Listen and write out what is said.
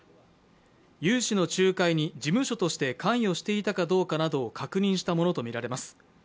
融資の仲介に事務所として関与していたかどうかなどを確認したものとみられます。